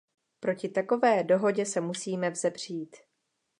Proti takové dohodě se musíme vzepřít.